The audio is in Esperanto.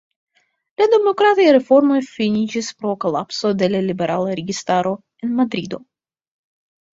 La demokrataj reformoj finiĝis pro kolapso de la liberala registaro en Madrido.